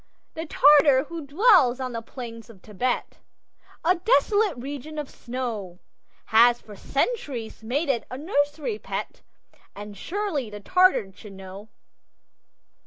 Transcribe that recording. The Tartar who dwells on the plains of Thibet (A desolate region of snow) Has for centuries made it a nursery pet, And surely the Tartar should know!